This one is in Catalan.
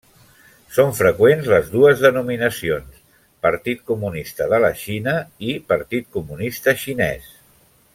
Són freqüents les dues denominacions Partit Comunista de la Xina i Partit Comunista Xinès.